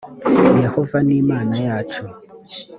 yehova ni imana yacu